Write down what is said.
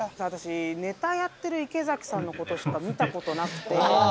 私ネタやってる池崎さんのことしか見たことなくて。